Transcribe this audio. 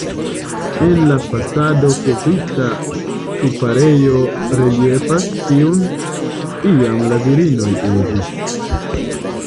En la fasado kovrita ŝtuparejo reliefas, kiun iam la virinoj uzis.